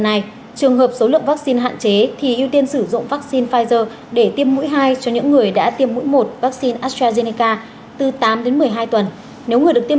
giờ này trường hợp số lượng vaccine hạn chế thì ưu tiên sử dụng vaccine pfizer để tiêm mũi hai cho những người đã tiêm mũi một vaccine astrazeneca từ tám đến một mươi hai tuần nếu người được tiêm chủng đồng ý và tiêm mũi thứ nhất cho người chưa được tiêm